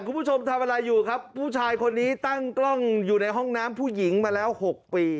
คุณผู้ชมทำอะไรอยู่ครับผู้ชายคนนี้ตั้งกล้องอยู่ในห้องน้ำผู้หญิงมาแล้ว๖ปี